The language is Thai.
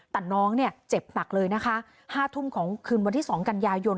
แต่น้องเนี่ยเจ็บหนักเลยนะคะ๕ทุ่มของคืนวันที่๒กันยายน